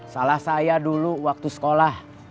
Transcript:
salah saya dulu waktu sekolah